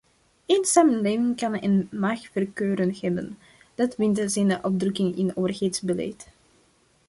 Een samenleving kan en mag voorkeuren hebben, dat vindt zijn uitdrukking in overheidsbeleid.